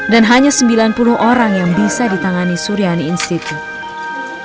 dan hanya sembilan puluh orang yang bisa ditangani suriani institute